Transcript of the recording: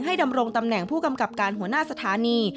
ดำรงตำแหน่งผู้กำกับการหัวหน้าสถานี